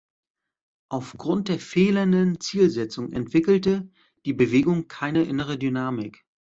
Aufgrund der fehlenden Zielsetzung entwickelte die Bewegung keine innere Dynamik.